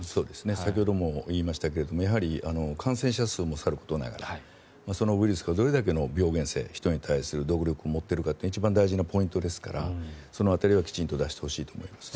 先ほども言いましたがやはり感染者数もさることながらそのウイルスがどれだけの病原性人に対する毒力を持っているかが一番大事なポイントですからその辺りはきちんと出してほしいと思いますね。